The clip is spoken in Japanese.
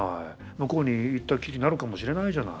向こうに行ったっきりになるかもしれないじゃない？